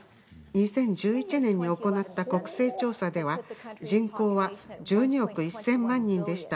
２０１１年に行った国勢調査では人口は１２億１０００万人でした。